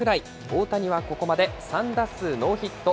大谷はここまで３打数ノーヒット。